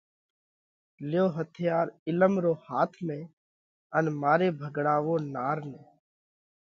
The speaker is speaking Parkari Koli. ليو هٿيار عِلم رو هاٿ ۾ ان ماري ڀڳڙاوو نار نئہ!